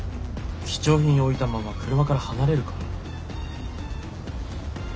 貴重品を置いたまま車から離れるか？